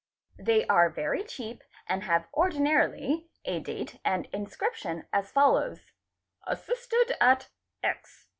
They are very cheap and have ordinarily a date and inscription as follows :—_ Assisted at X....